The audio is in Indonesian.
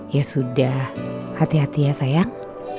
ya sudah hati hati ya sayang